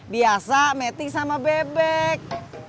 biasa meting sama bebek